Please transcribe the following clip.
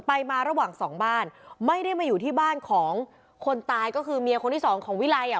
ไปมาระหว่างสองบ้านไม่ได้มาอยู่ที่บ้านของคนตายก็คือเมียคนที่สองของวิไลอ่ะ